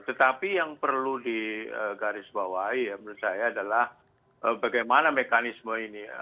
tetapi yang perlu digarisbawahi ya menurut saya adalah bagaimana mekanisme ini